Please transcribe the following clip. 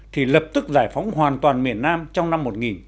thì lập tức giải phóng hoàn toàn miền nam trong năm một nghìn chín trăm bảy mươi